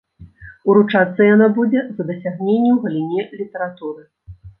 Уручацца яна будзе за дасягненні ў галіне літаратуры.